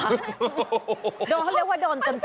เขาเรียกว่าโดนเต็ม